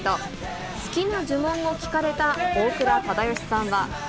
好きな呪文を聞かれた大倉忠義さんは。